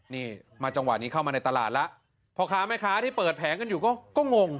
นี่มาจังหวะนี้เข้ามาในตลาดแล้วพ่อค้าแม่ค้าที่เปิดแผงกันอยู่ก็งง